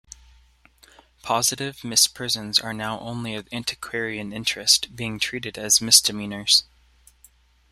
Positive misprisions are now only of antiquarian interest, being treated as misdemeanours.